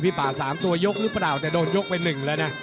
ป่า๓ตัวยกหรือเปล่าแต่โดนยกไป๑แล้วนะ